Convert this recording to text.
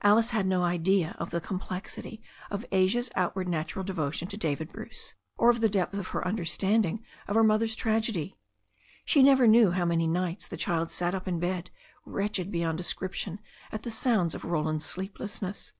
Alice had no idea of the complexity of Asia's outwardly natural devotion to David Bruce, or of the depth of her understanding of her mother's tragedy. She never knew how many nights the child sat up in bed, wretched beyond description at the sounds of Roland's sleeplessness.